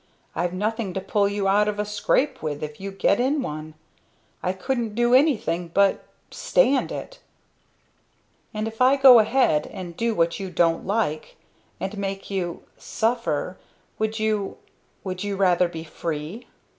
I've nothing to pull you out of a scrape with if you get in one. I couldn't do anything but stand it." "And if I go ahead, and do what you don't like and make you suffer would you would you rather be free?"